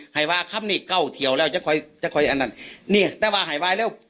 ไหว้ครับนี่เก้าเทียวแล้วจะคอยอันนั้นนี่แต่ว่าไหว้เร็ว